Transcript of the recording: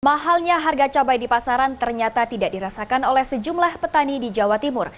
mahalnya harga cabai di pasaran ternyata tidak dirasakan oleh sejumlah petani di jawa timur